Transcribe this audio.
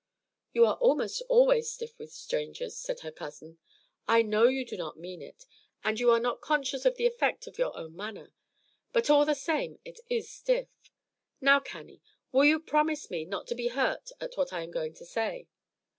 "You are almost always stiff with strangers," said her cousin. "I know you do not mean it, and you are not conscious of the effect of your own manner; but all the same it is stiff. Now, Cannie, will you promise me not to be hurt at what I am going to say?"